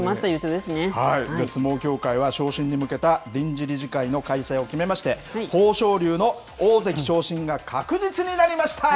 相撲協会は、昇進に向けた臨時理事会の開催を決めまして、豊昇龍の大関昇進が確実になりました。